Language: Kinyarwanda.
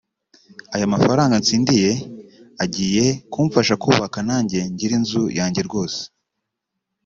aya mafaranga ntsindiye agiye kumfasha kubaka nanjye ngire inzu yanjye rwose